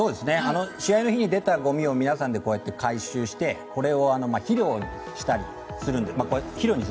試合の日に出たごみを皆さんで回収してこれを肥料にするんですね。